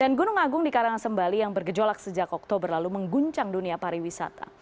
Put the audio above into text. dan gunung agung di karangasem bali yang bergejolak sejak oktober lalu mengguncang dunia pariwisata